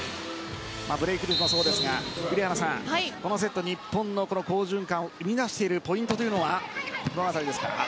ブレークもそうですが、栗原さんこのセット、日本の好循環生み出しているポイントはどの辺りですか？